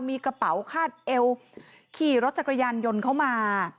มีกระเป๋าคาดเอวขี่รถจักรยานยนต์เข้ามา